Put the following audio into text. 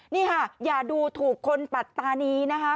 นี่ค่ะอย่าดูถูกคนปัดตานีนะคะ